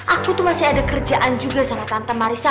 aku tuh masih ada kerjaan juga sama tante marisa